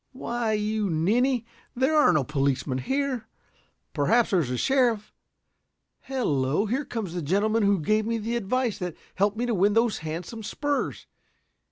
"Why, you ninny, there are no policemen here. Perhaps there is a sheriff. Hello, here comes the gentleman who gave me the advice that helped me to win those handsome spurs.